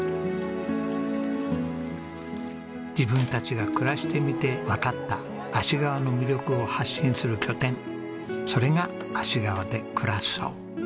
自分たちが暮らしてみてわかった芦川の魅力を発信する拠点それがアシガワ・デ・クラッソ。